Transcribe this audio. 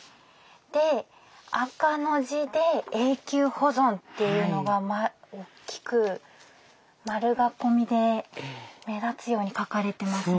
で赤の字で「永久保存」っていうのが大きく丸囲みで目立つように書かれてますね。